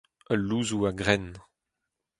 Ul louzoù a-grenn.